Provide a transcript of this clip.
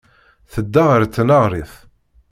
Tedda ɣer tneɣrit.